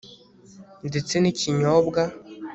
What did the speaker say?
ndetse n'ikinyobwa